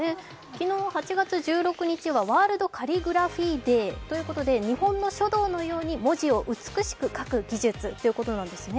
昨日、８月１６日はワールド・カリグラフィー・デーということで日本の書道のように文字を美しく書く技術ということなんですね。